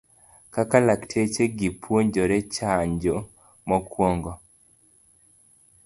Kaka lakteche gi jopuonje chanjo mokuongo